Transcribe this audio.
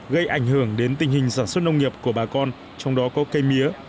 gây ảnh hưởng đến tình hình sản xuất nông nghiệp của bà con trong đó có cây mía